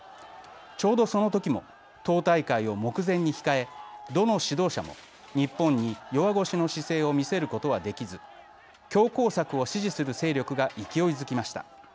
ちょうど、その時も党大会を目前に控えどの指導者も日本に弱腰の姿勢を見せることはできず強硬策を支持する勢力が勢いづきました。